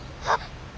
あ。